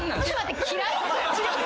嫌い！？